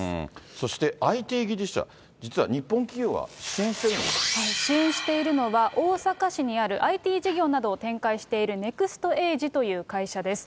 そしてＩＴ技術者、支援しているのは、大阪市にある、ＩＴ事業などを展開しているネクストエージという会社です。